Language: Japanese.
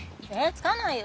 付かないよ？